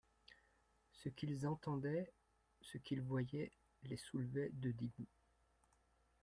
Ce qu'ils entendaient, ce qu'ils voyaient les soulevait de dégoût.